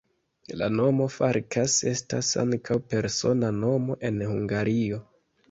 La nomo Farkas estas ankaŭ persona nomo en Hungario.